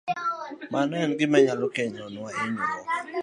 Mano en gima nyalo kelonwa hinyruok.